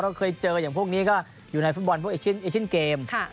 เราเคยเจออย่างพวกนี้ก็อยู่ในฟุตบอลพวกเอชินเกม